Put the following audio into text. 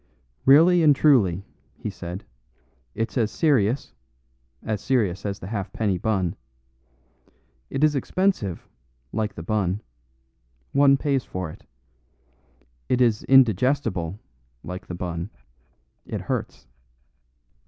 "Really and truly," he said, "it's as serious as serious as the halfpenny bun. It is expensive, like the bun; one pays for it. It is indigestible, like the bun. It hurts."